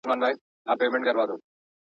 ایا شاګرد باید د موضوع حدود محدود کړي؟